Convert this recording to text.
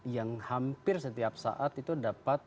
yang hampir setiap saat itu dapat